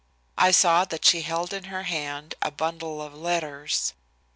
I saw that she held in her hand a bundle of letters.